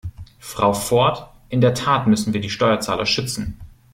Frau Ford, in der Tat müssen wir die Steuerzahler schützen.